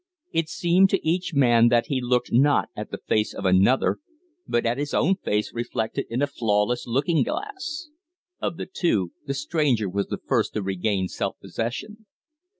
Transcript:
It seemed to each man that he looked not at the face of another, but at his own face reflected in a flawless looking glass. Of the two, the stranger was the first to regain self possession.